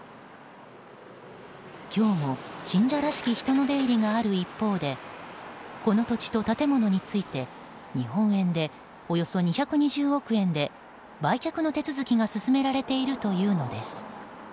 今日も、信者らしき人の出入りがある一方でこの土地と建物について日本円でおよそ２２０億円で売却の手続きが進められているというのです。